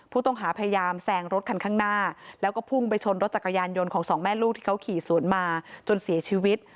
ผู้ต้องหาพยายามแซงรถคันข้างหน้าแล้วก็พุ่งไปชนรถจักรยานยนต์ของสองแม่ลูกที่เขาขี่สวนมาจนเสียชีวิต